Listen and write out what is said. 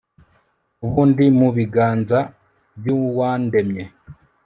ubu ndi mu biganza by'uwandemye